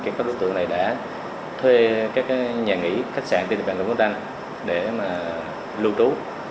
các đối tượng này đã thuê các nhà nghỉ khách sạn tiệm vàng lục văn đanh để lưu trú